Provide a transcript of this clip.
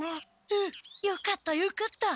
うんよかったよかった！